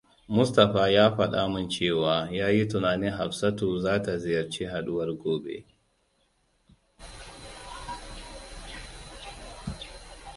Mustapha ya faɗa mun cewa yayi tunanin Hafsattu zata ziyarci haɗuwar gobe.